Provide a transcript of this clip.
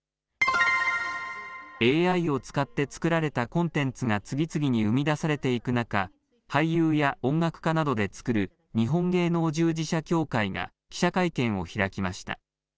ＡＩを使って作られたコンテンツが次々に生み出されていく中、俳優や音楽家などで作る日本芸能従事者協会が記者会見を開きました。